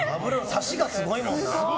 サシがすごいもんな。